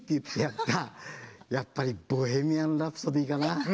やっぱり「ボヘミアン・ラプソディ」かな。